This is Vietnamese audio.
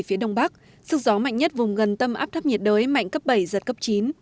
phía đông bắc sức gió mạnh nhất vùng gần tâm áp thấp nhiệt đới mạnh cấp bảy giật cấp chín